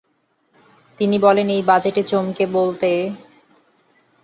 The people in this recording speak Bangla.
তিনি বলেন, এই বাজেটে চমক বলতে ভ্যাট আইনটিই ছিল।